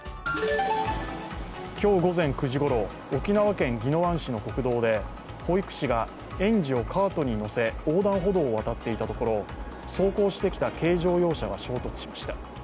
今日午前９時ごろ、沖縄県宜野湾市の国道で保育士が園児をカートに乗せ、横断歩道を渡っていたところ走行してきた軽乗用車が衝突しました。